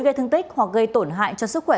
gây thương tích hoặc gây tổn hại cho sức khỏe